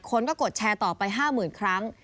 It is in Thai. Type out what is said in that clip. คนก็กดแชร์ต่อไปห้าหมื่นครั้ง